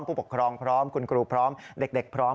ผู้ปกครองพร้อมคุณครูพร้อมเด็กพร้อม